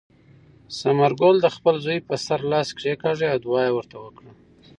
ثمرګل د خپل زوی په سر لاس کېکاږه او دعا یې ورته وکړه.